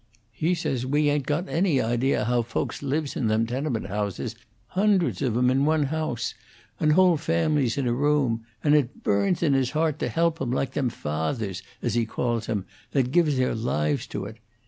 He says we ain't got any idea how folks lives in them tenement houses, hundreds of 'em in one house, and whole families in a room; and it burns in his heart to help 'em like them Fathers, as he calls 'em, that gives their lives to it.